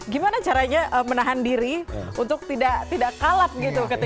gimana caranya menahan diri untuk tidak kalat gitu ketika